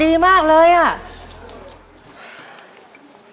อีกครั้งเดี๋ยว